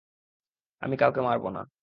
আমি কাউকে মারব না।